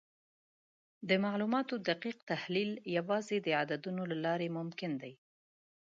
د معلوماتو دقیق تحلیل یوازې د عددونو له لارې ممکن دی.